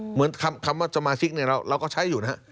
เหมือนคำว่าสมาชิกเนี่ยเราก็ใช้อยู่นะฮะ